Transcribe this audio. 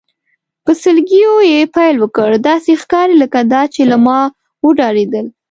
په سلګیو یې پیل وکړ، داسې ښکاري لکه دا چې له ما وډارېدل.